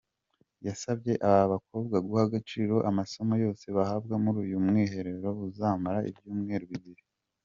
Yasabye aba bakobwa guha agaciro amasomo yose bahabwa muri uyu mwiherero uzamara ibyumweru bibiri.